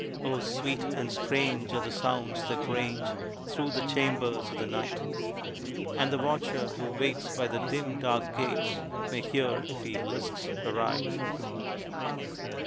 Oh, sweet and strange are the sounds that range Through the chambers of the night; And the watcher who waits by the dim, dark gates, May hear, if he lists aright.